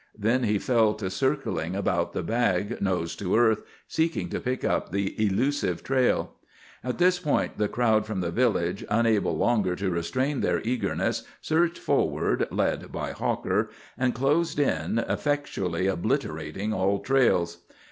Then he fell to circling about the bag, nose to earth, seeking to pick up the elusive trail. At this point the crowd from the village, unable longer to restrain their eagerness, surged forward, led by Hawker, and closed in, effectually obliterating all trails.